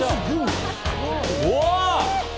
うわ！